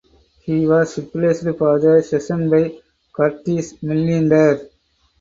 He was replaced for the season by Curtis Millender.